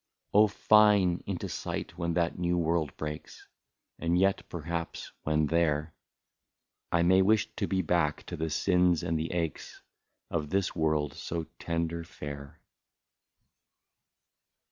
Oh ! fine !— into sight when that new world breaks, And yet perhaps when there, I may wish to be back to the sins and the aches Of this world so tender fair.